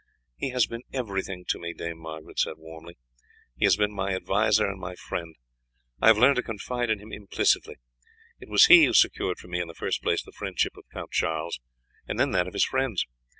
"He has been everything to me," Dame Margaret said warmly; "he has been my adviser and my friend. I have learned to confide in him implicitly. It was he who secured for me in the first place the friendship of Count Charles, and then that of his friends.